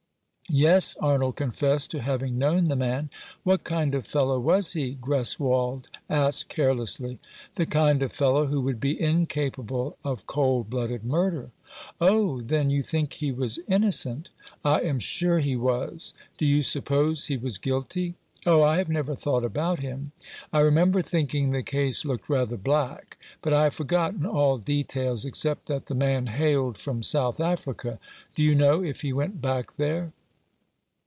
Yes, Arnold confessed to having known the man. " What kind of fellow was he ?" Greswold asked carelessly. " The kind of fellow who would be incapable of cold blooded murder." " Oh, then, you think he was innocent ?"" I am sure he was. Do you suppose he was guilty ?" "Oh, I have never thought about him. I re member thinking the case looked rather black. But I have forgotten all details, except that the man hailed from South Africa. Do you know if he went back there